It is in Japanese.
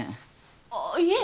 あっいえ